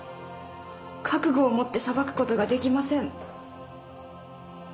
覚悟を持って裁くことができません。